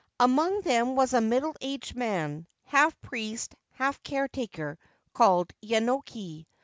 Among them was a middle aged man, half priest, half caretaker, called Yenoki.